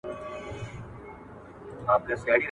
ولي د کارونو ځنډول ذهن ته اندېښنې راوړي؟